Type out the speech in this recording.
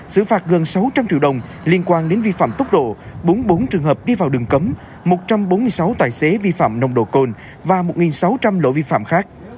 xử phạt gần sáu trăm linh triệu đồng liên quan đến vi phạm tốc độ bốn mươi bốn trường hợp đi vào đường cấm một trăm bốn mươi sáu tài xế vi phạm nồng độ cồn và một sáu trăm linh lỗi vi phạm khác